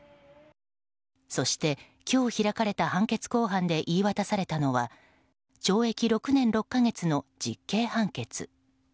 そして、今日開かれた判決公判で言い渡されたのは懲役６年６か月の実刑判決。